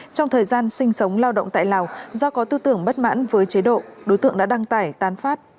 trong thời gian sinh sống lao động tại lào do có tư tưởng bất mãn với chế độ đối tượng đã đăng tải tán phát